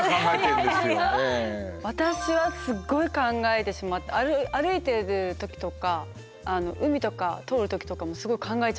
私はすっごい考えてしまって歩いてる時とか海とか通る時とかもすごい考えちゃいます。